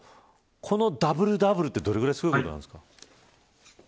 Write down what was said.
このダブルダブルってどれぐらいすごいことなんですか。